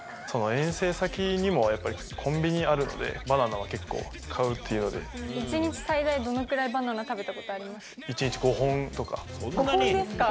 遠征先にもやっぱりコンビニあるので、バナナは結構買うっていう１日最大どのくらいバナナ食１日５本とか。５本ですか？